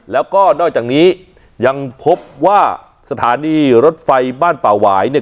แล้วก็นอกจากนี้ยังพบว่าสถานีรถไฟบ้านป่าหวายเนี่ย